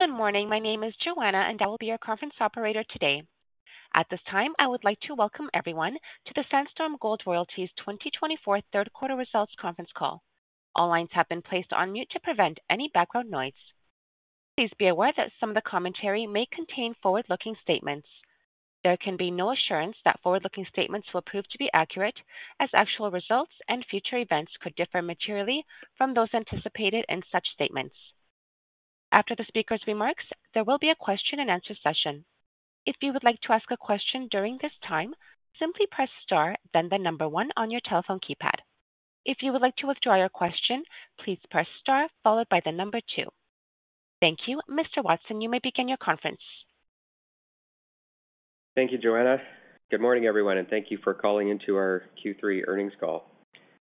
Good morning. My name is Joanna, and I will be your conference operator today. At this time, I would like to welcome everyone to the Sandstorm Gold Royalties 2024 Q3 results conference call. All lines have been placed on mute to prevent any background noise. Please be aware that some of the commentary may contain forward-looking statements. There can be no assurance that forward-looking statements will prove to be accurate, as actual results and future events could differ materially from those anticipated in such statements. After the speaker's remarks, there will be a question-and-answer session. If you would like to ask a question during this time, simply press star, then the number one on your telephone keypad. If you would like to withdraw your question, please press star followed by the number two. Thank you. Mr. Watson, you may begin your conference. Thank you, Joanna. Good morning, everyone, and thank you for calling into our Q3 earnings call.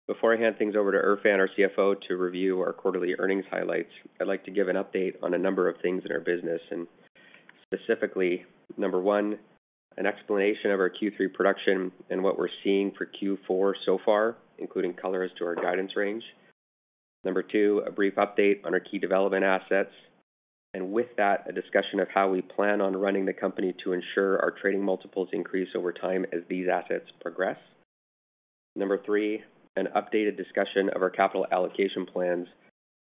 Before I hand things over to Erfan, our CFO, to review our quarterly earnings highlights, I'd like to give an update on a number of things in our business, and specifically, number one, an explanation of our Q3 production and what we're seeing for Q4 so far, including color as to our guidance range. Number two, a brief update on our key development assets, and with that, a discussion of how we plan on running the company to ensure our trading multiples increase over time as these assets progress. Number three, an updated discussion of our capital allocation plans,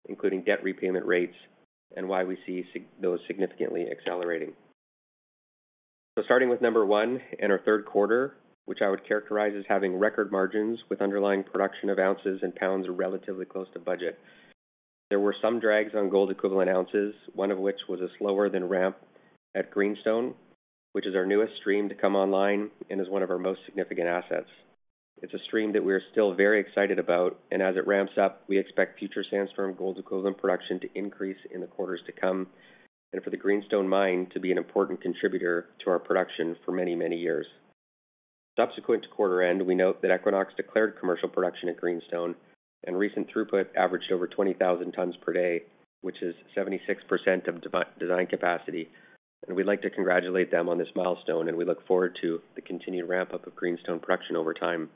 including debt repayment rates and why we see those significantly accelerating. So starting with number one, in our Q3, which I would characterize as having record margins with underlying production of ounces and pounds relatively close to budget. There were some drags on gold-equivalent ounces, one of which was a slower-than-ramp at Greenstone, which is our newest stream to come online and is one of our most significant assets. It's a stream that we are still very excited about, and as it ramps up, we expect future Sandstorm Gold equivalent production to increase in the quarters to come and for the Greenstone mine to be an important contributor to our production for many, many years. Subsequent to quarter end, we note that Equinox declared commercial production at Greenstone, and recent throughput averaged over 20,000 tons per day, which is 76% of design capacity. We'd like to congratulate them on this milestone, and we look forward to the continued ramp-up of Greenstone production over time.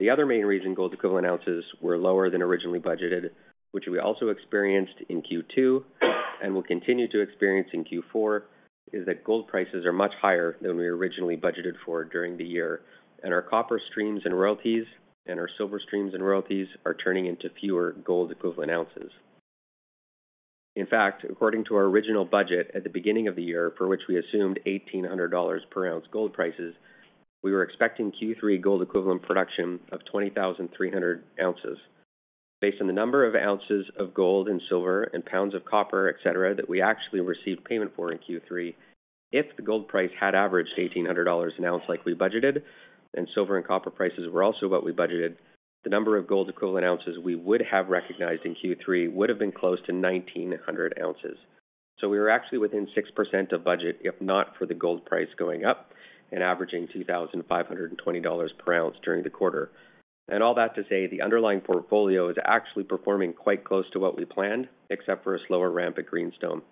The other main reason gold-equivalent ounces were lower than originally budgeted, which we also experienced in Q2 and will continue to experience in Q4, is that gold prices are much higher than we originally budgeted for during the year. Our copper streams and royalties and our silver streams and royalties are turning into fewer gold-equivalent ounces. In fact, according to our original budget at the beginning of the year, for which we assumed $1,800 per ounce gold prices, we were expecting Q3 gold-equivalent production of 20,300 oz. Based on the number of ounces of gold and silver and pounds of copper, etc., that we actually received payment for in Q3, if the gold price had averaged $1,800 an ounce like we budgeted, and silver and copper prices were also what we budgeted, the number of gold-equivalent ounces we would have recognized in Q3 would have been close to 1,900 oz. So we were actually within 6% of budget, if not for the gold price going up and averaging $2,520 per ounce during the quarter. And all that to say, the underlying portfolio is actually performing quite close to what we planned, except for a slower ramp at Greenstone.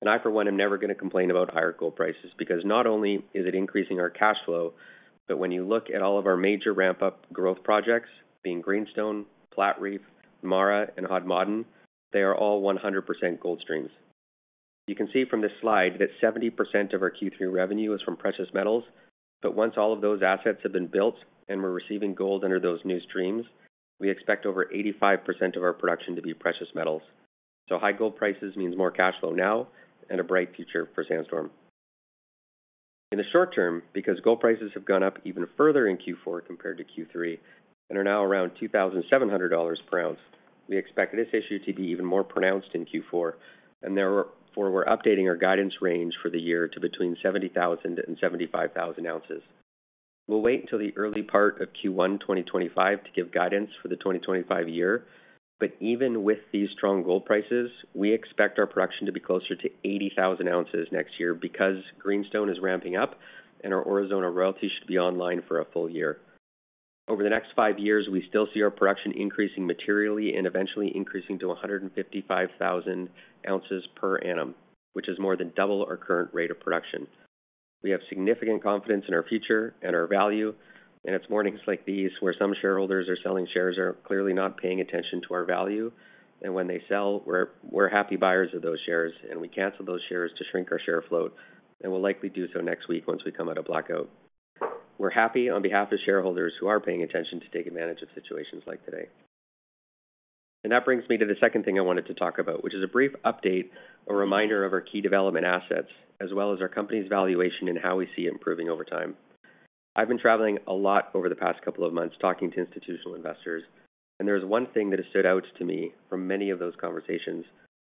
And I, for one, am never going to complain about higher gold prices because not only is it increasing our cash flow, but when you look at all of our major ramp-up growth projects, being Greenstone, Platreef, MARA, and Hod Maden, they are all 100% gold streams. You can see from this slide that 70% of our Q3 revenue is from precious metals, but once all of those assets have been built and we're receiving gold under those new streams, we expect over 85% of our production to be precious metals. So high gold prices mean more cash flow now and a bright future for Sandstorm. In the short term, because gold prices have gone up even further in Q4 compared to Q3 and are now around $2,700 per ounce, we expect this issue to be even more pronounced in Q4, and therefore we're updating our guidance range for the year to between 70,000 and 75,000 oz. We'll wait until the early part of Q1 2025 to give guidance for the 2025 year, but even with these strong gold prices, we expect our production to be closer to 80,000 oz next year because Greenstone is ramping up and our Aurizona royalties should be online for a full year. Over the next five years, we still see our production increasing materially and eventually increasing to 155,000 oz per annum, which is more than double our current rate of production. We have significant confidence in our future and our value, and it's mornings like these where some shareholders are selling shares are clearly not paying attention to our value, and when they sell, we're happy buyers of those shares, and we cancel those shares to shrink our share float, and we'll likely do so next week once we come out of blackout. We're happy on behalf of shareholders who are paying attention to take advantage of situations like today, and that brings me to the second thing I wanted to talk about, which is a brief update, a reminder of our key development assets, as well as our company's valuation and how we see it improving over time. I've been traveling a lot over the past couple of months talking to institutional investors, and there is one thing that has stood out to me from many of those conversations,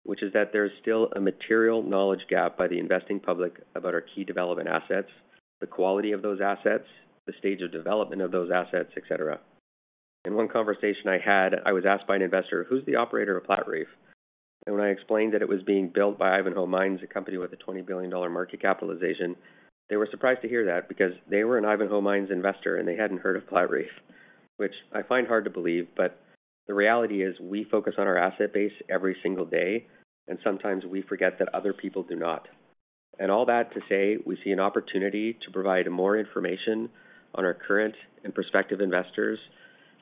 which is that there is still a material knowledge gap by the investing public about our key development assets, the quality of those assets, the stage of development of those assets, etc. In one conversation I had, I was asked by an investor, "Who's the operator of Platreef?" And when I explained that it was being built by Ivanhoe Mines, a company with a $20 billion market capitalization, they were surprised to hear that because they were an Ivanhoe Mines investor and they hadn't heard of Platreef, which I find hard to believe, but the reality is we focus on our asset base every single day, and sometimes we forget that other people do not. And all that to say, we see an opportunity to provide more information on our current and prospective investors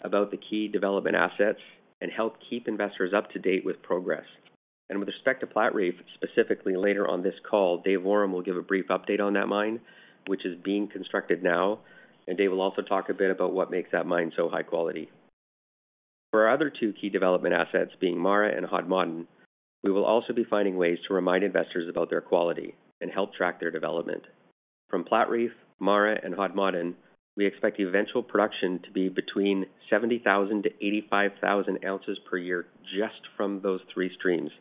about the key development assets and help keep investors up to date with progress. With respect to Platreef, specifically later on this call, Warren will give a brief update on that mine, which is being constructed now, and Dave will also talk a bit about what makes that mine so high quality. For our other two key development assets, being MARA and Hod Maden, we will also be finding ways to remind investors about their quality and help track their development. From Platreef, MARA, and Hod Maden, we expect eventual production to be between 70,000-85,000 oz per year just from those three streams,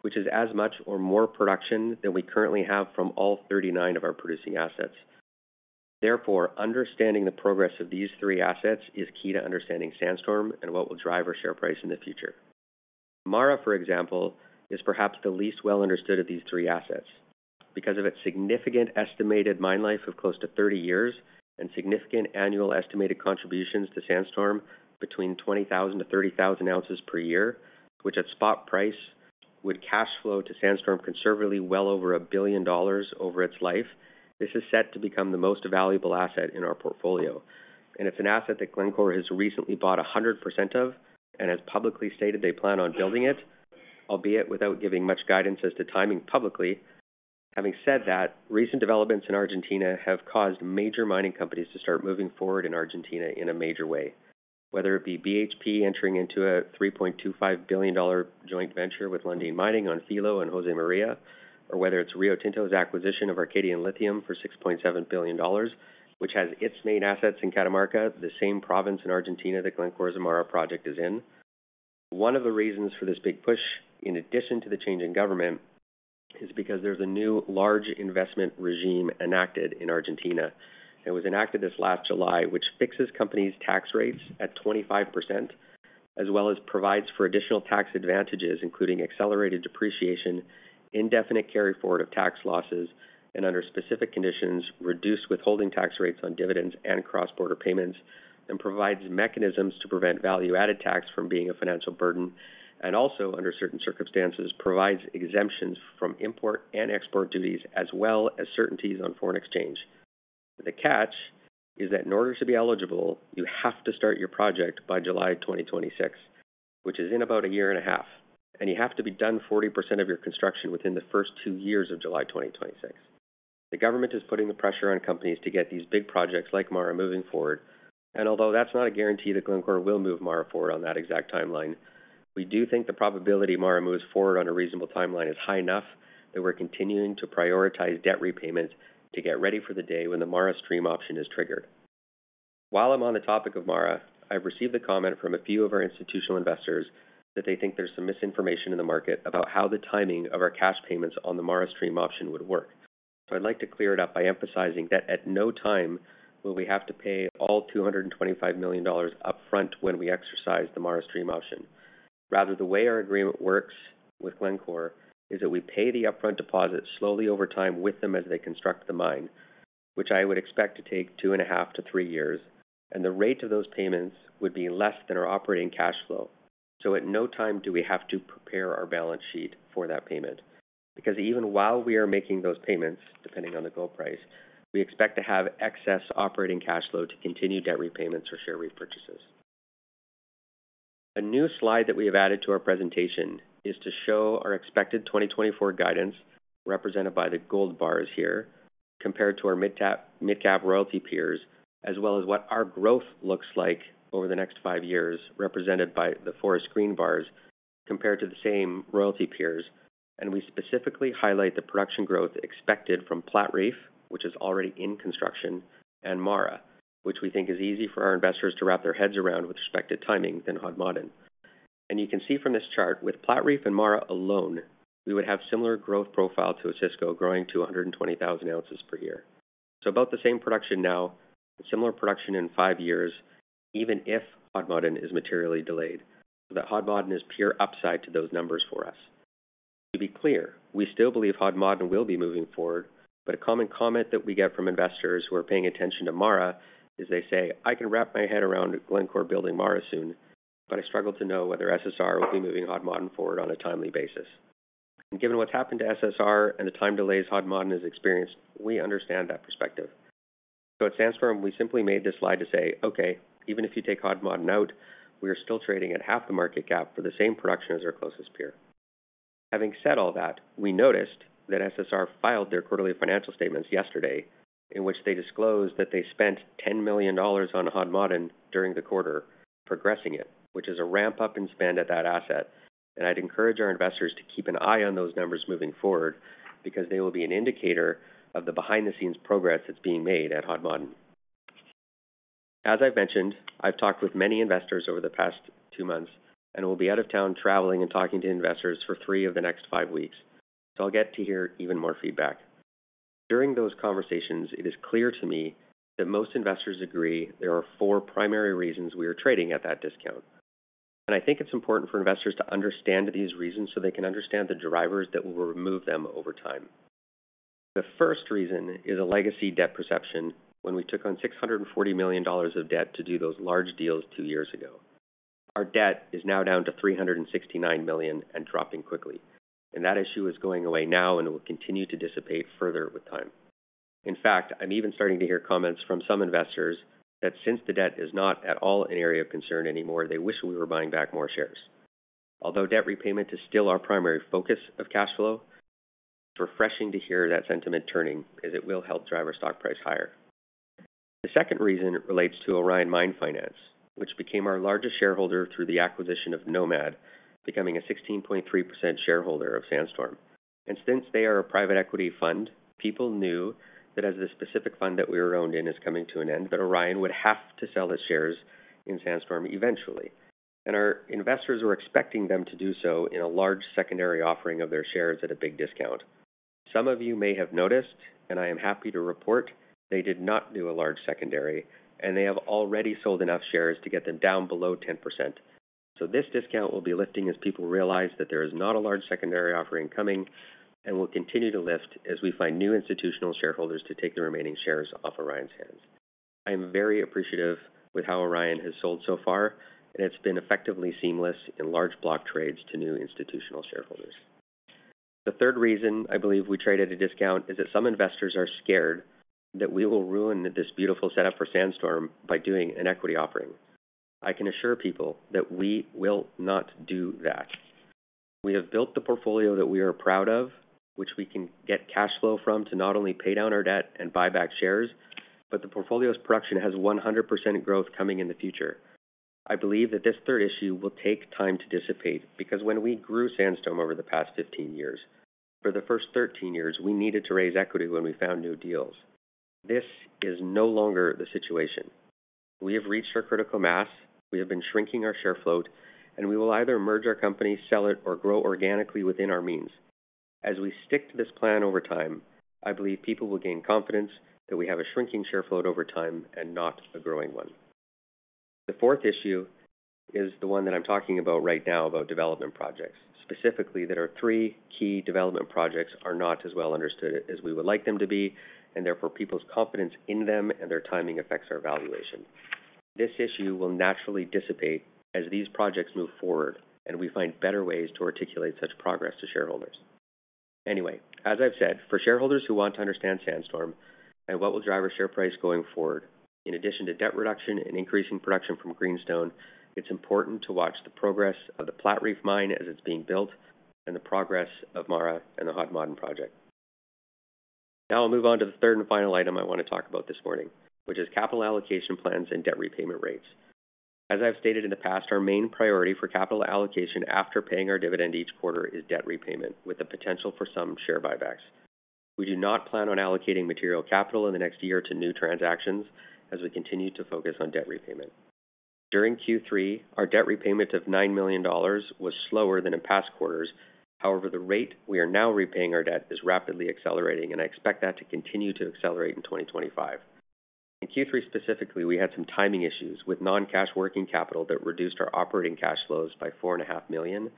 which is as much or more production than we currently have from all 39 of our producing assets. Therefore, understanding the progress of these three assets is key to understanding Sandstorm and what will drive our share price in the future. MARA, for example, is perhaps the least well understood of these three assets because of its significant estimated mine life of close to 30 years and significant annual estimated contributions to Sandstorm between 20,000-30,000 oz per year, which at spot price would cash flow to Sandstorm conservatively well over $1 billion over its life. This is set to become the most valuable asset in our portfolio, and it's an asset that Glencore has recently bought 100% of and has publicly stated they plan on building it, albeit without giving much guidance as to timing publicly. Having said that, recent developments in Argentina have caused major mining companies to start moving forward in Argentina in a major way, whether it be BHP entering into a $3.25 billion joint venture with Lundin Mining on Filo del Sol and Josemaria, or whether it's Rio Tinto's acquisition of Arcadium Lithium for $6.7 billion, which has its main assets in Catamarca, the same province in Argentina that Glencore's MARA project is in. One of the reasons for this big push, in addition to the change in government, is because there's a new large investment regime enacted in Argentina. It was enacted this last July, which fixes companies' tax rates at 25%, as well as provides for additional tax advantages, including accelerated depreciation, indefinite carry forward of tax losses, and under specific conditions, reduced withholding tax rates on dividends and cross-border payments, and provides mechanisms to prevent value-added tax from being a financial burden, and also, under certain circumstances, provides exemptions from import and export duties, as well as certainties on foreign exchange. The catch is that in order to be eligible, you have to start your project by July 2026, which is in about a year and a half, and you have to be done 40% of your construction within the first two years of July 2026. The government is putting the pressure on companies to get these big projects like MARA moving forward, and although that's not a guarantee that Glencore will move MARA forward on that exact timeline, we do think the probability MARA moves forward on a reasonable timeline is high enough that we're continuing to prioritize debt repayments to get ready for the day when the MARA stream option is triggered. While I'm on the topic of MARA, I've received a comment from a few of our institutional investors that they think there's some misinformation in the market about how the timing of our cash payments on the MARA stream option would work. So I'd like to clear it up by emphasizing that at no time will we have to pay all $225 million upfront when we exercise the MARA stream option. Rather, the way our agreement works with Glencore is that we pay the upfront deposit slowly over time with them as they construct the mine, which I would expect to take two and a half to three years, and the rate of those payments would be less than our operating cash flow. So at no time do we have to prepare our balance sheet for that payment because even while we are making those payments, depending on the gold price, we expect to have excess operating cash flow to continue debt repayments or share repurchases. A new slide that we have added to our presentation is to show our expected 2024 guidance represented by the gold bars here, compared to our mid-cap royalty peers, as well as what our growth looks like over the next five years, represented by the forest green bars compared to the same royalty peers. And we specifically highlight the production growth expected from Platreef, which is already in construction, and MARA, which we think is easy for our investors to wrap their heads around with respect to timing than Hod Maden. And you can see from this chart, with Platreef and MARA alone, we would have similar growth profile to Osisko growing to 120,000 oz per year. So about the same production now, similar production in five years, even if Hod Maden is materially delayed, so that Hod Maden is pure upside to those numbers for us. To be clear, we still believe Hod Maden will be moving forward, but a common comment that we get from investors who are paying attention to MARA is they say, "I can wrap my head around Glencore building MARA soon, but I struggle to know whether SSR will be moving Hod Maden forward on a timely basis." And given what's happened to SSR and the time delays Hod Maden has experienced, we understand that perspective. So at Sandstorm, we simply made this slide to say, "Okay, even if you take Hod Maden out, we are still trading at half the market cap for the same production as our closest peer." Having said all that, we noticed that SSR filed their quarterly financial statements yesterday, in which they disclosed that they spent $10 million on Hod Maden during the quarter, progressing it, which is a ramp-up in spend at that asset. I'd encourage our investors to keep an eye on those numbers moving forward because they will be an indicator of the behind-the-scenes progress that's being made at Hod Maden. As I've mentioned, I've talked with many investors over the past two months, and I will be out of town traveling and talking to investors for three of the next five weeks, so I'll get to hear even more feedback. During those conversations, it is clear to me that most investors agree there are four primary reasons we are trading at that discount. And I think it's important for investors to understand these reasons so they can understand the drivers that will remove them over time. The first reason is a legacy debt perception when we took on $640 million of debt to do those large deals two years ago. Our debt is now down to $369 million and dropping quickly, and that issue is going away now and will continue to dissipate further with time. In fact, I'm even starting to hear comments from some investors that since the debt is not at all an area of concern anymore, they wish we were buying back more shares. Although debt repayment is still our primary focus of cash flow, it's refreshing to hear that sentiment turning as it will help drive our stock price higher. The second reason relates to Orion Mine Finance, which became our largest shareholder through the acquisition of Nomad, becoming a 16.3% shareholder of Sandstorm, and since they are a private equity fund, people knew that as the specific fund that we were owned in is coming to an end, that Orion would have to sell its shares in Sandstorm eventually. Our investors were expecting them to do so in a large secondary offering of their shares at a big discount. Some of you may have noticed, and I am happy to report they did not do a large secondary, and they have already sold enough shares to get them down below 10%. So this discount will be lifting as people realize that there is not a large secondary offering coming and will continue to lift as we find new institutional shareholders to take the remaining shares off Orion's hands. I am very appreciative with how Orion has sold so far, and it's been effectively seamless in large block trades to new institutional shareholders. The third reason I believe we traded at a discount is that some investors are scared that we will ruin this beautiful setup for Sandstorm by doing an equity offering. I can assure people that we will not do that. We have built the portfolio that we are proud of, which we can get cash flow from to not only pay down our debt and buy back shares, but the portfolio's production has 100% growth coming in the future. I believe that this third issue will take time to dissipate because when we grew Sandstorm over the past 15 years, for the first 13 years, we needed to raise equity when we found new deals. This is no longer the situation. We have reached our critical mass, we have been shrinking our share float, and we will either merge our company, sell it, or grow organically within our means. As we stick to this plan over time, I believe people will gain confidence that we have a shrinking share float over time and not a growing one. The fourth issue is the one that I'm talking about right now, about development projects. Specifically, there are three key development projects that are not as well understood as we would like them to be, and therefore people's confidence in them and their timing affects our valuation. This issue will naturally dissipate as these projects move forward, and we find better ways to articulate such progress to shareholders. Anyway, as I've said, for shareholders who want to understand Sandstorm and what will drive our share price going forward, in addition to debt reduction and increasing production from Greenstone, it's important to watch the progress of the Platreef mine as it's being built and the progress of MARA and the Hod Maden project. Now I'll move on to the third and final item I want to talk about this morning, which is capital allocation plans and debt repayment rates. As I've stated in the past, our main priority for capital allocation after paying our dividend each quarter is debt repayment with the potential for some share buybacks. We do not plan on allocating material capital in the next year to new transactions as we continue to focus on debt repayment. During Q3, our debt repayment of $9 million was slower than in past quarters. However, the rate we are now repaying our debt is rapidly accelerating, and I expect that to continue to accelerate in 2025. In Q3 specifically, we had some timing issues with non-cash working capital that reduced our operating cash flows by $4.5 million,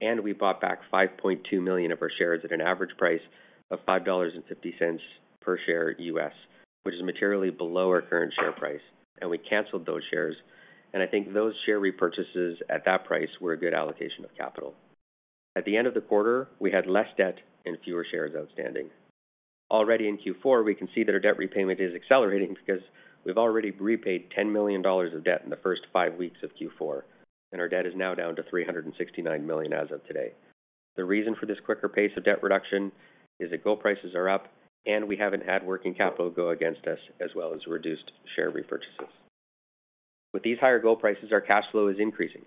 and we bought back $5.2 million of our shares at an average price of $5.50 per share US, which is materially below our current share price, and we canceled those shares. I think those share repurchases at that price were a good allocation of capital. At the end of the quarter, we had less debt and fewer shares outstanding. Already in Q4, we can see that our debt repayment is accelerating because we've already repaid $10 million of debt in the first five weeks of Q4, and our debt is now down to $369 million as of today. The reason for this quicker pace of debt reduction is that gold prices are up, and we haven't had working capital go against us as well as reduced share repurchases. With these higher gold prices, our cash flow is increasing,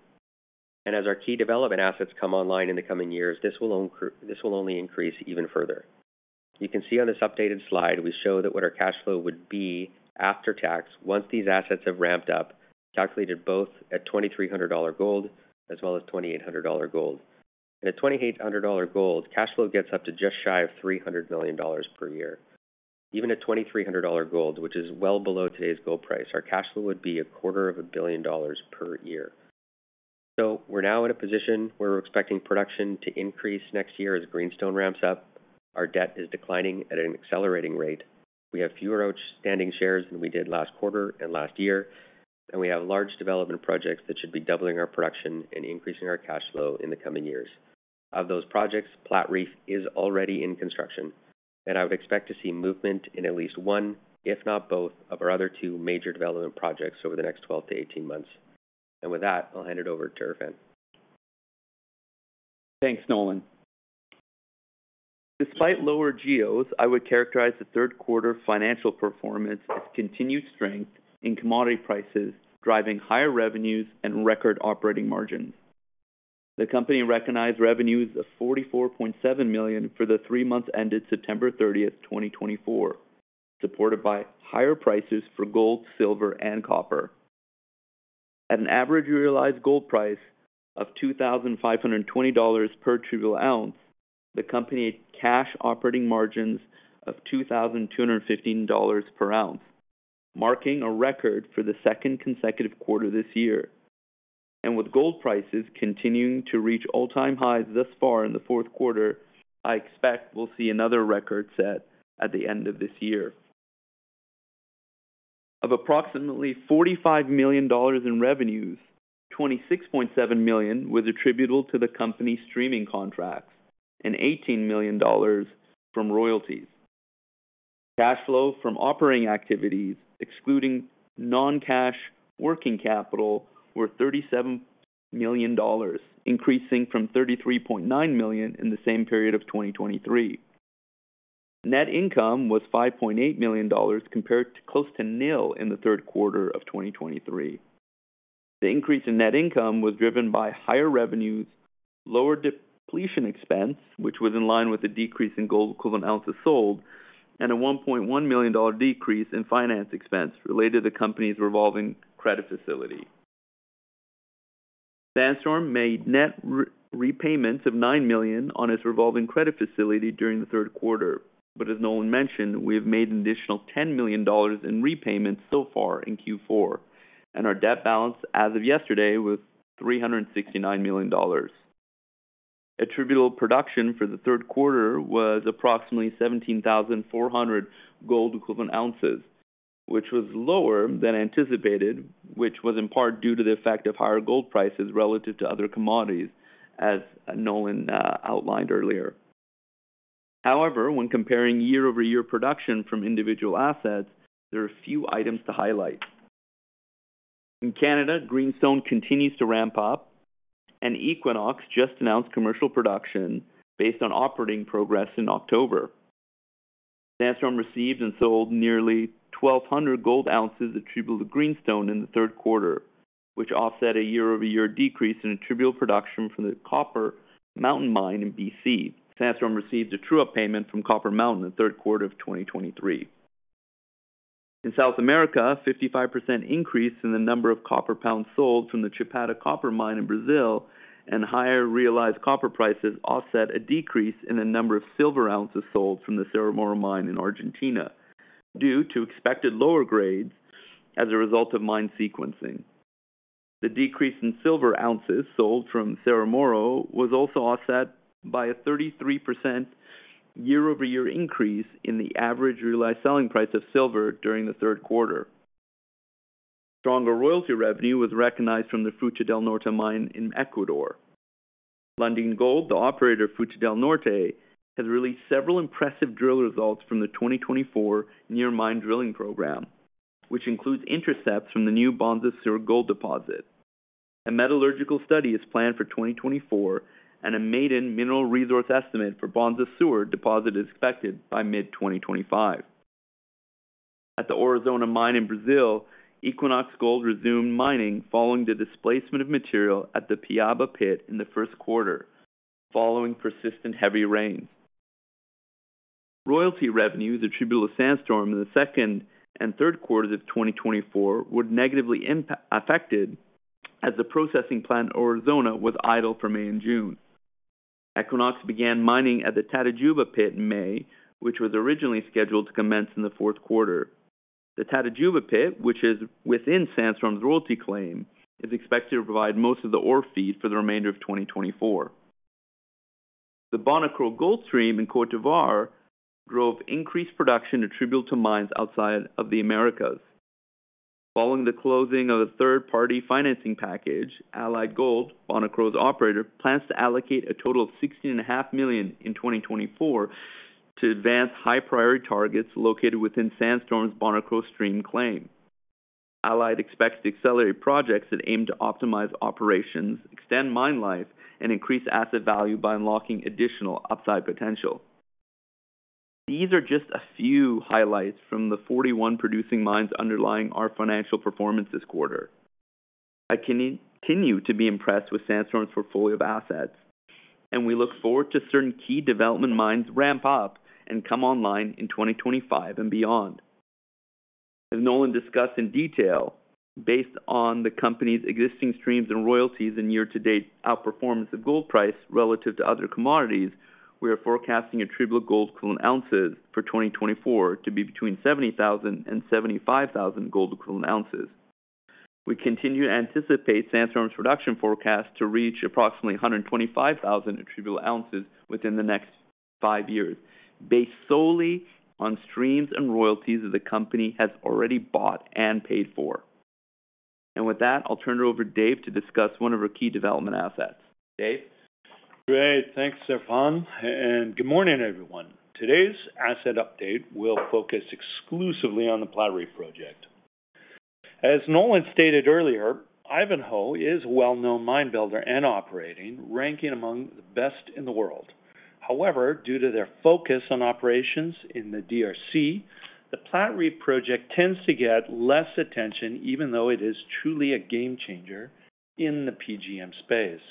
and as our key development assets come online in the coming years, this will only increase even further. You can see on this updated slide, we show that what our cash flow would be after tax, once these assets have ramped up, calculated both at $2,300 gold as well as $2,800 gold. And at $2,800 gold, cash flow gets up to just shy of $300 million per year. Even at $2,300 gold, which is well below today's gold price, our cash flow would be $250 million per year. So we're now in a position where we're expecting production to increase next year as Greenstone ramps up, our debt is declining at an accelerating rate, we have fewer outstanding shares than we did last quarter and last year, and we have large development projects that should be doubling our production and increasing our cash flow in the coming years. Of those projects, Platreef is already in construction, and I would expect to see movement in at least one, if not both, of our other two major development projects over the next 12 to 18 months. And with that, I'll hand it over to Erfan. Thanks, Nolan. Despite lower GEOs, I would characterize the Q3 financial performance as continued strength in commodity prices, driving higher revenues and record operating margins. The company recognized revenues of $44.7 million for the three months ended September 30th, 2024, supported by higher prices for gold, silver, and copper. At an average realized gold price of $2,520 per troy ounce, the company had cash operating margins of $2,215 per ounce, marking a record for the second consecutive quarter this year, and with gold prices continuing to reach all-time highs thus far in the Q4, I expect we'll see another record set at the end of this year. Of approximately $45 million in revenues, $26.7 million was attributable to the company's streaming contracts and $18 million from royalties. Cash flow from operating activities, excluding non-cash working capital, was $37 million, increasing from $33.9 million in the same period of 2023. Net income was $5.8 million compared to close to nil in the Q3 of 2023. The increase in net income was driven by higher revenues, lower depletion expense, which was in line with the decrease in gold equivalent ounces sold, and a $1.1 million decrease in finance expense related to the company's revolving credit facility. Sandstorm made net repayments of $9 million on its revolving credit facility during the Q3, but as Nolan mentioned, we have made an additional $10 million in repayments so far in Q4, and our debt balance as of yesterday was $369 million. Attributable production for the Q3 was approximately 17,400 gold equivalent ounces, which was lower than anticipated, which was in part due to the effect of higher gold prices relative to other commodities, as Nolan outlined earlier. However, when comparing year-over-year production from individual assets, there are a few items to highlight. In Canada, Greenstone continues to ramp up, and Equinox just announced commercial production based on operating progress in October. Sandstorm received and sold nearly 1,200 gold ounces attributable to Greenstone in the Q3, which offset a year-over-year decrease in attributable production from the Copper Mountain Mine in BC. Sandstorm received a true-up payment from Copper Mountain in the Q3 of 2023. In South America, a 55% increase in the number of copper pounds sold from the Chapada Copper Mine in Brazil, and higher realized copper prices offset a decrease in the number of silver ounces sold from the Cerro Moro Mine in Argentina due to expected lower grades as a result of mine sequencing. The decrease in silver ounces sold from Cerro Moro was also offset by a 33% year-over-year increase in the average realized selling price of silver during the Q3. Stronger royalty revenue was recognized from the Fruta del Norte Mine in Ecuador. Lundin Gold, the operator of Fruta del Norte, has released several impressive drill results from the 2024 near-mine drilling program, which includes intercepts from the new Bonza Sur Gold Deposit. A metallurgical study is planned for 2024, and a Maiden Mineral Resource estimate for Bonza Sur Deposit is expected by mid-2025. At the Aurizona Mine in Brazil, Equinox Gold resumed mining following the displacement of material at the Piaba Pit in the Q1, following persistent heavy rains. Royalty revenue attributable to Sandstorm in the second and Q3s of 2024 were negatively affected as the processing plant Aurizona was idle from May and June. Equinox began mining at the Tatajuba Pit in May, which was originally scheduled to commence in the Q4. The Tatajuba Pit, which is within Sandstorm's royalty claim, is expected to provide most of the ore feed for the remainder of 2024. The Bonikro Gold Stream in Côte d'Ivoire drove increased production attributable to mines outside of the Americas. Following the closing of a third-party financing package, Allied Gold, Bonikro's operator, plans to allocate a total of $16.5 million in 2024 to advance high-priority targets located within Sandstorm's Bonikro Stream claim. Allied expects to accelerate projects that aim to optimize operations, extend mine life, and increase asset value by unlocking additional upside potential. These are just a few highlights from the 41 producing mines underlying our financial performance this quarter. I continue to be impressed with Sandstorm's portfolio of assets, and we look forward to certain key development mines ramp up and come online in 2025 and beyond. As Nolan discussed in detail, based on the company's existing streams and royalties and year-to-date outperformance of gold price relative to other commodities, we are forecasting attributable gold equivalent ounces for 2024 to be between $70,000-$75,000 gold equivalent ounces. We continue to anticipate Sandstorm's production forecast to reach approximately $125,000 attributable ounces within the next five years, based solely on streams and royalties that the company has already bought and paid for. With that, I'll turn it over to Dave to discuss one of our key development assets. Dave? Great. Thanks, Erfan. Good morning, everyone. Today's asset update will focus exclusively on the Platreef project. As Nolan stated earlier, Ivanhoe is a well-known mine builder and operating, ranking among the best in the world. However, due to their focus on operations in the DRC, the Platreef project tends to get less attention, even though it is truly a game changer in the PGM space.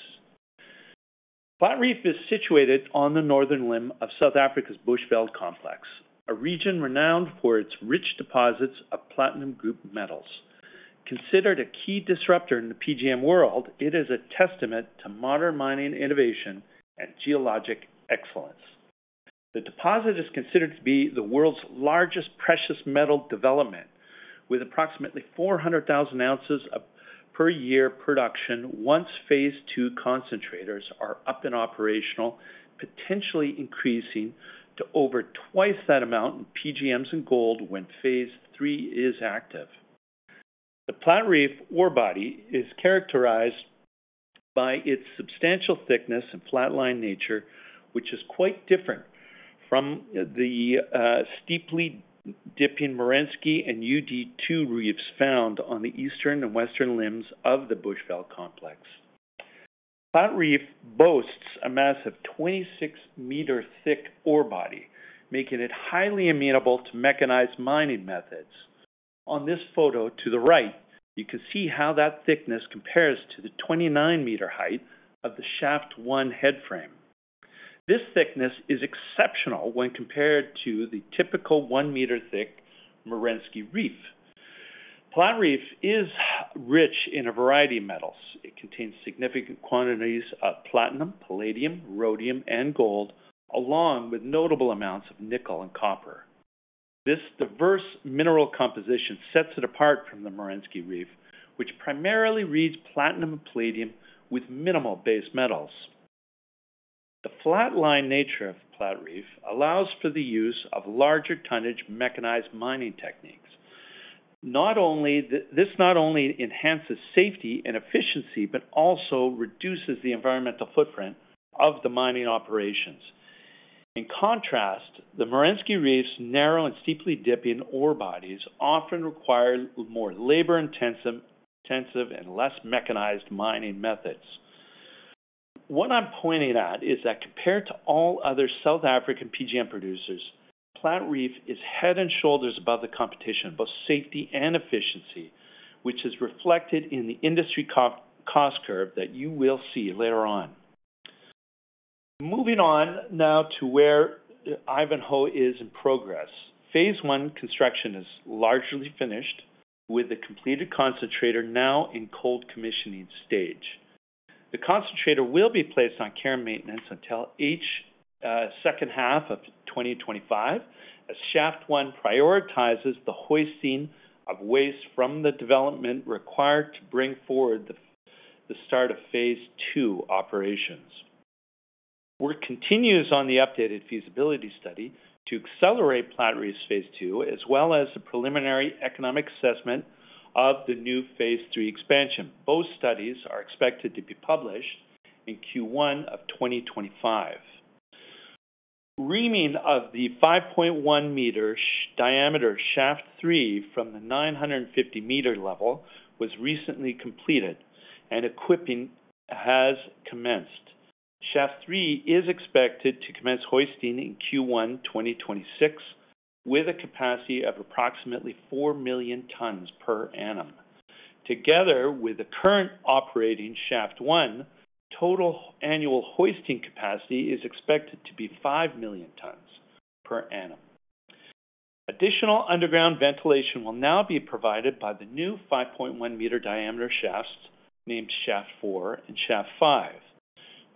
Platreef is situated on the northern limb of South Africa's Bushveld Complex, a region renowned for its rich deposits of platinum-group metals. Considered a key disruptor in the PGM world, it is a testament to modern mining innovation and geologic excellence. The deposit is considered to be the world's largest precious metal development, with approximately 400,000 oz of per year production once phase II concentrators are up and operational, potentially increasing to over twice that amount in PGMs and gold when phase III is active. The Platreef ore body is characterized by its substantial thickness and flatline nature, which is quite different from the steeply dipping Merensky and UG2 reefs found on the eastern and western limbs of the Bushveld Complex. Platreef boasts a massive 26 m thick ore body, making it highly amenable to mechanized mining methods. On this photo to the right, you can see how that thickness compares to the 29 m height of the Shaft 1 head frame. This thickness is exceptional when compared to the typical 1 m thick Merensky reef. Platreef is rich in a variety of metals. It contains significant quantities of platinum, palladium, rhodium, and gold, along with notable amounts of nickel and copper. This diverse mineral composition sets it apart from the Merensky Reef, which primarily reads platinum and palladium with minimal base metals. The flat-lying nature of Platreef allows for the use of larger tonnage mechanized mining techniques. This not only enhances safety and efficiency, but also reduces the environmental footprint of the mining operations. In contrast, the Merensky Reef's narrow and steeply dipping ore bodies often require more labor-intensive and less mechanized mining methods. What I'm pointing at is that compared to all other South African PGM producers, Platreef is head and shoulders above the competition both safety and efficiency, which is reflected in the industry cost curve that you will see later on. Moving on now to where Ivanhoe is in progress. phase I construction is largely finished, with the completed concentrator now in cold commissioning stage. The concentrator will be placed on care and maintenance until the second half of 2025, as Shaft 1 prioritizes the hoisting of waste from the development required to bring forward the start of phase II operations. Work continues on the updated feasibility study to accelerate Platreef's phase II, as well as the preliminary economic assessment of the new phase III expansion. Both studies are expected to be published in Q1 of 2025. Reaming of the 5.1 m diameter Shaft 3 from the 950 m level was recently completed, and equipping has commenced. Shaft 3 is expected to commence hoisting in Q1 2026, with a capacity of approximately 4 million tons per annum. Together with the current operating Shaft 1, total annual hoisting capacity is expected to be 5 million tons per annum. Additional underground ventilation will now be provided by the new 5.1 m diameter shafts named Shaft 4 and Shaft 5.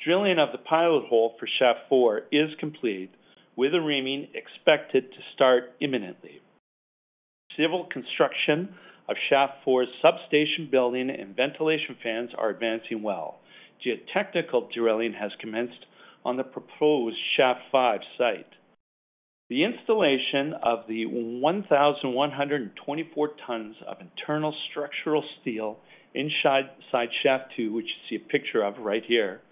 Drilling of the pilot hole for Shaft 4 is complete, with the reaming expected to start imminently. Civil construction of Shaft 4's substation building and ventilation fans are advancing well. Geotechnical drilling has commenced on the proposed Shaft 5 site. The installation of the 1,124 tons of internal structural steel inside Shaft 2, which you see a picture of right here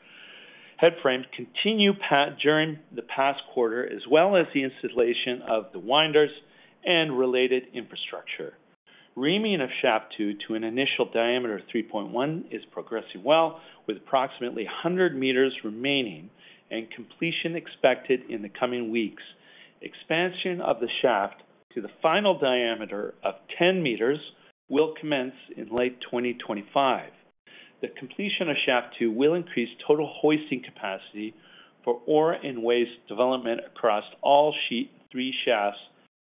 headframe, continued during the past quarter, as well as the installation of the winders and related infrastructure. Reaming of Shaft 2 to an initial diameter of 3.1 is progressing well, with approximately 100 m remaining and completion expected in the coming weeks. Expansion of the shaft to the final diameter of 10 m will commence in late 2025. The completion of Shaft 2 will increase total hoisting capacity for ore and waste development across all three shafts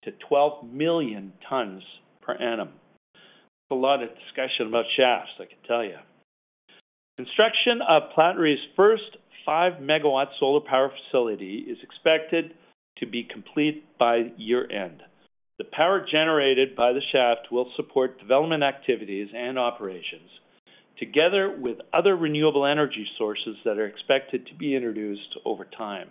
to 12 million tons per annum. There's a lot of discussion about shafts, I can tell you. Construction of Platreef's first 5 MW solar power facility is expected to be complete by year-end. The power generated by the solar will support development activities and operations, together with other renewable energy sources that are expected to be introduced over time.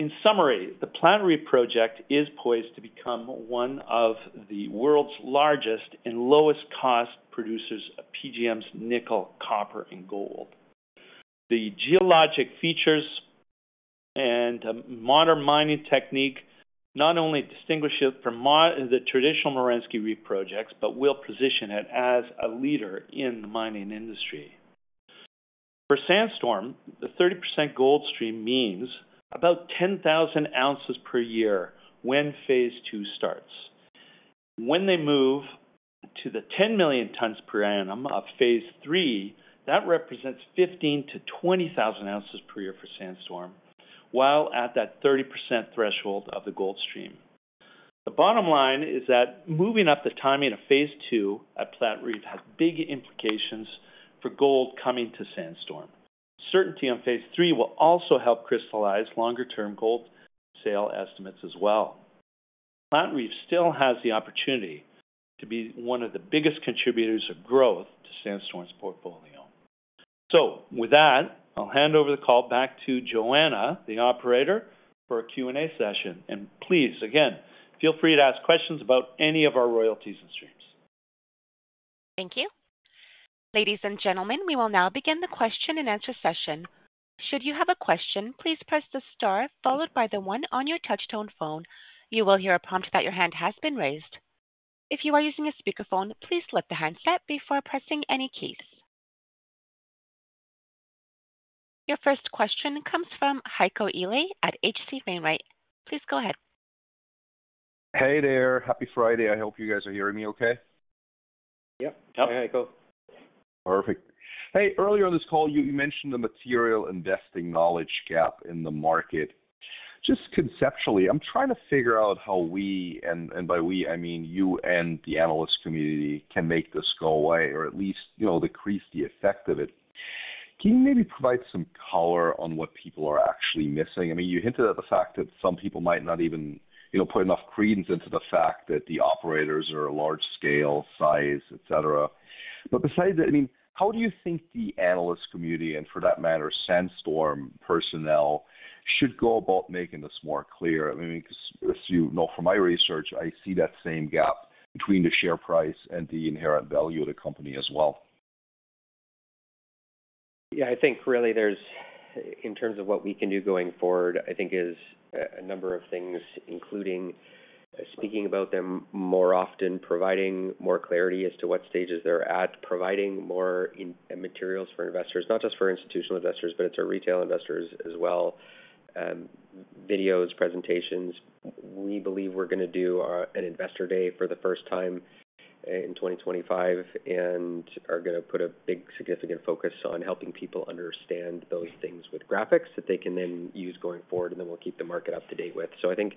In summary, the Platreef project is poised to become one of the world's largest and lowest-cost producers of PGMs, nickel, copper, and gold. The geologic features and modern mining technique not only distinguish it from the traditional Merensky Reef projects, but will position it as a leader in the mining industry. For Sandstorm, the 30% gold stream means about 10,000 oz per year when phase II starts. When they move to the 10 million tons per annum of phase III, that represents 15,000-20,000 ounces per year for Sandstorm, while at that 30% threshold of the gold stream. The bottom line is that moving up the timing of phase II at Platreef has big implications for gold coming to Sandstorm. Certainty on phase III will also help crystallize longer-term gold sale estimates as well. Platreef still has the opportunity to be one of the biggest contributors of growth to Sandstorm's portfolio. So, with that, I'll hand over the call back to Joanna, the operator, for a Q&A session. And please, again, feel free to ask questions about any of our royalties and streams. Thank you. Ladies and gentlemen, we will now begin the question-and-answer session. Should you have a question, please press the star followed by the one on your touchtone phone. You will hear a prompt that your hand has been raised. If you are using a speakerphone, please pick up the handset before pressing any keys. Your first question comes from Heiko Ihle at H.C. Wainwright. Please go ahead. Hey there. Happy Friday. I hope you guys are hearing me okay. Yep. Yep. Hey, Heiko. Perfect. Hey, earlier on this call, you mentioned the material investing knowledge gap in the market. Just conceptually, I'm trying to figure out how we (and by we, I mean you and the analyst community) can make this go away, or at least decrease the effect of it. Can you maybe provide some color on what people are actually missing? I mean, you hinted at the fact that some people might not even put enough credence into the fact that the operators are large-scale size, etc. But besides that, I mean, how do you think the analyst community, and for that matter, Sandstorm personnel, should go about making this more clear? I mean, because as you know from my research, I see that same gap between the share price and the inherent value of the company as well. Yeah, I think really there's, in terms of what we can do going forward, I think there's a number of things, including speaking about them more often, providing more clarity as to what stages they're at, providing more materials for investors, not just for institutional investors, but it's our retail investors as well. Videos, presentations. We believe we're going to do an investor day for the first time in 2025 and are going to put a big, significant focus on helping people understand those things with graphics that they can then use going forward, and then we'll keep the market up to date with. So I think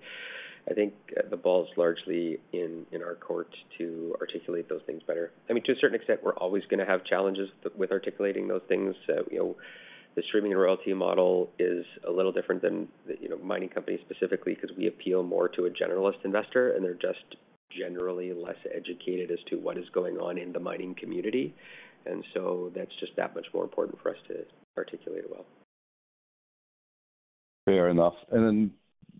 the ball's largely in our court to articulate those things better. I mean, to a certain extent, we're always going to have challenges with articulating those things. The streaming and royalty model is a little different than mining companies specifically because we appeal more to a generalist investor, and they're just generally less educated as to what is going on in the mining community, and so that's just that much more important for us to articulate well. Fair enough. And then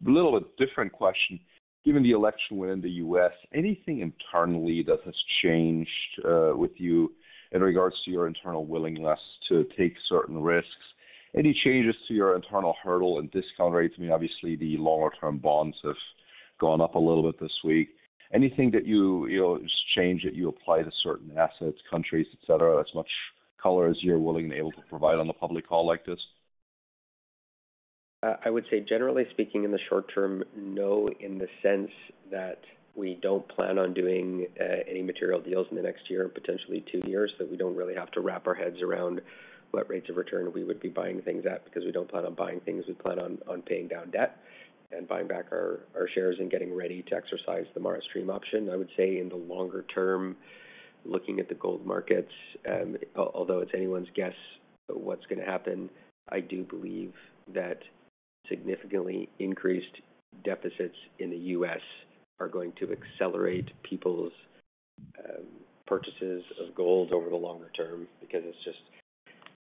a little bit different question. Given the election win in the U.S., anything internally that has changed with you in regards to your internal willingness to take certain risks? Any changes to your internal hurdle and discount rates? I mean, obviously, the longer-term bonds have gone up a little bit this week. Anything that you just change that you apply to certain assets, countries, etc., as much color as you're willing and able to provide on a public call like this? I would say, generally speaking, in the short term, no, in the sense that we don't plan on doing any material deals in the next year and potentially two years, that we don't really have to wrap our heads around what rates of return we would be buying things at because we don't plan on buying things. We plan on paying down debt and buying back our shares and getting ready to exercise the MARA stream option. I would say in the longer term, looking at the gold markets, although it's anyone's guess what's going to happen, I do believe that significantly increased deficits in the U.S. are going to accelerate people's purchases of gold over the longer term because it's just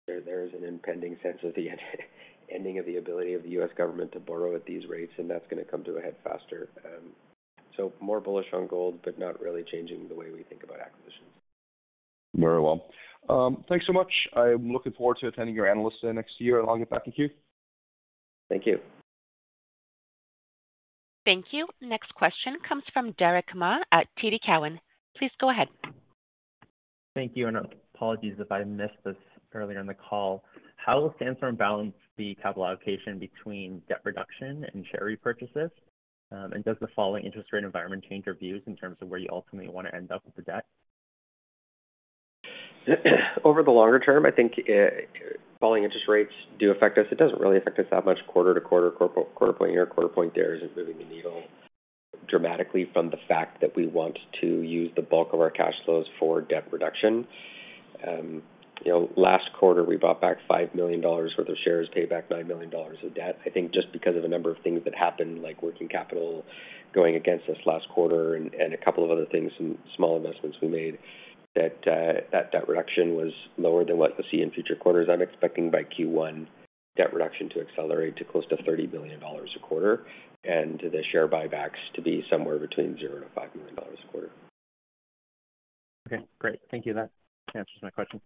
there is an impending sense of the ending of the ability of the U.S. government to borrow at these rates, and that's going to come to a head faster, so more bullish on gold, but not really changing the way we think about acquisitions. Very well. Thanks so much. I'm looking forward to attending your analyst day next year, and I'll get back to you. Thank you. Thank you. Next question comes from Derick Ma at TD Cowen. Please go ahead. Thank you, and apologies if I missed this earlier in the call. How will Sandstorm balance the capital allocation between debt reduction and share repurchases? And does the following interest rate environment change your views in terms of where you ultimately want to end up with the debt? Over the longer term, I think falling interest rates do affect us. It doesn't really affect us that much. Quarter to quarter, quarter point year, quarter point there isn't moving the needle dramatically from the fact that we want to use the bulk of our cash flows for debt reduction. Last quarter, we bought back $5 million worth of shares, paid back $9 million of debt. I think just because of a number of things that happened, like working capital going against us last quarter and a couple of other things and small investments we made, that debt reduction was lower than what you'll see in future quarters. I'm expecting by Q1, debt reduction to accelerate to close to $30 million a quarter, and the share buybacks to be somewhere between $0-$5 million a quarter. Okay. Great. Thank you. That answers my question.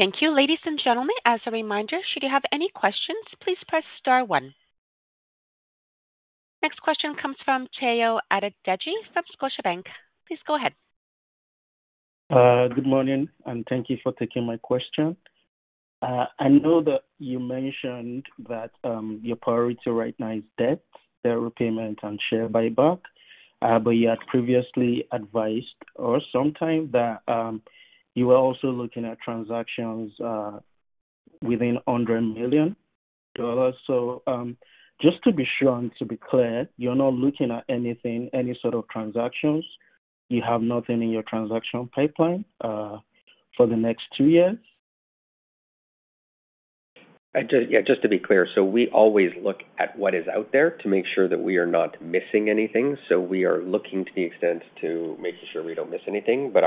Thank you. Ladies and gentlemen, as a reminder, should you have any questions, please press star one. Next question comes from Tayo Adedeji from Scotiabank. Please go ahead. Good morning, and thank you for taking my question. I know that you mentioned that your priority right now is debt repayment and share buyback, but you had previously advised us some time that you were also looking at transactions within $100 million. So just to be sure and to be clear, you're not looking at anything, any sort of transactions? You have nothing in your transaction pipeline for the next two years? Yeah, just to be clear. So we always look at what is out there to make sure that we are not missing anything. So we are looking to the extent to making sure we don't miss anything. But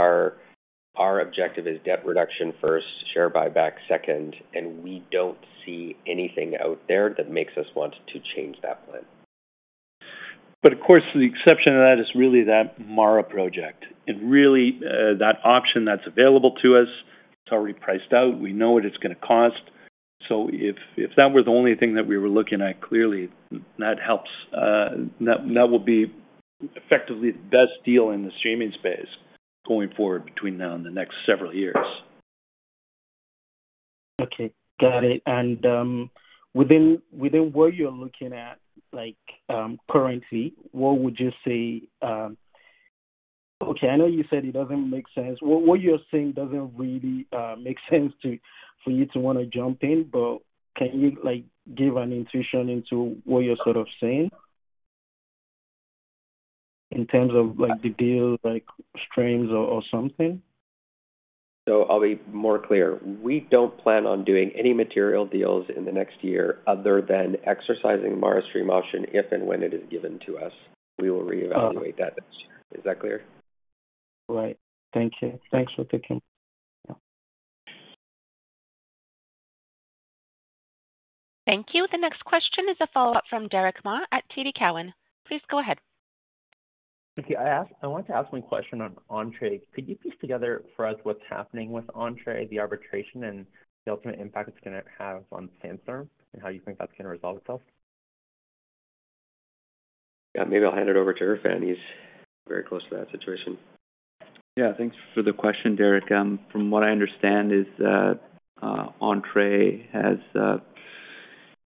our objective is debt reduction first, share buyback second, and we don't see anything out there that makes us want to change that plan. But of course, the exception to that is really that MARA project. And really, that option that's available to us, it's already priced out. We know what it's going to cost. So if that were the only thing that we were looking at, clearly, that helps. That would be effectively the best deal in the streaming space going forward between now and the next several years. Okay. Got it. And within what you're looking at currently, what would you say? Okay. I know you said it doesn't make sense. What you're saying doesn't really make sense for you to want to jump in, but can you give an intuition into what you're sort of saying in terms of the deal streams or something? So I'll be more clear. We don't plan on doing any material deals in the next year other than exercising the MARA stream option if and when it is given to us. We will reevaluate that next year. Is that clear? Right. Thank you. Thanks for taking me. Thank you. The next question is a follow-up from Derick Ma at TD Cowen. Please go ahead. Okay. I wanted to ask one question on Entrée. Could you piece together for us what's happening with Entrée, the arbitration, and the ultimate impact it's going to have on Sandstorm, and how you think that's going to resolve itself? Yeah. Maybe I'll hand it over to Erfan. He's very close to that situation. Yeah. Thanks for the question, Derick. From what I understand, Entrée has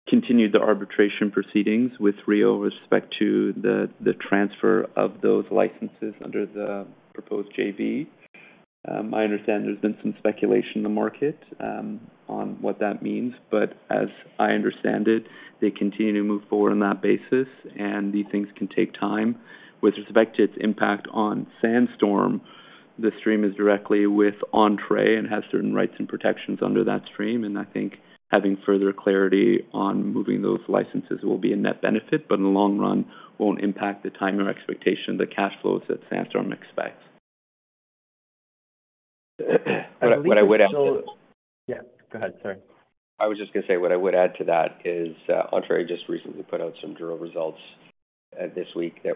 continued the arbitration proceedings with Rio with respect to the transfer of those licenses under the proposed JV. I understand there's been some speculation in the market on what that means, but as I understand it, they continue to move forward on that basis, and these things can take time. With respect to its impact on Sandstorm, the stream is directly with Entrée and has certain rights and protections under that stream. And I think having further clarity on moving those licenses will be a net benefit, but in the long run, won't impact the time or expectation, the cash flows that Sandstorm expects. What I would add to. Yeah. Go ahead. Sorry. I was just going to say what I would add to that is Entrée just recently put out some drill results this week that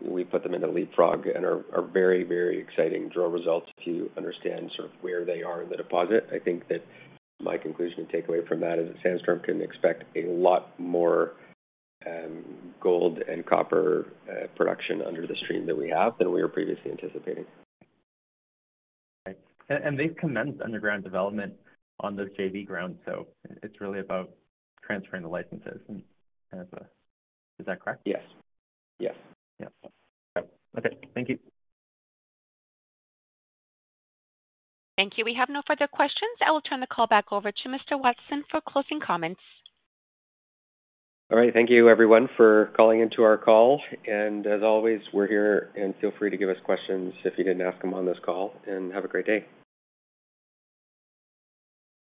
we put them in a Leapfrog and are very, very exciting drill results if you understand sort of where they are in the deposit. I think that my conclusion and takeaway from that is that Sandstorm can expect a lot more gold and copper production under the stream that we have than we were previously anticipating. Okay. And they've commenced underground development on the JV ground, so it's really about transferring the licenses. Is that correct? Yes. Yes. Yep. Okay. Thank you. Thank you. We have no further questions. I will turn the call back over to Mr. Watson for closing comments. All right. Thank you, everyone, for calling into our call. And as always, we're here, and feel free to give us questions if you didn't ask them on this call. And have a great day.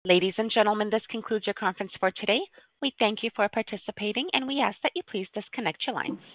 Ladies and gentlemen, this concludes your conference for today. We thank you for participating, and we ask that you please disconnect your lines.